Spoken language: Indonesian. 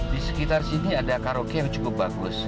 di sekitar sini ada karaoke yang cukup bagus